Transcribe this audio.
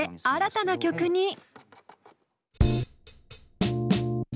新たな曲に。